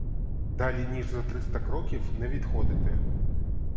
Далі ніж за триста кроків не відходити.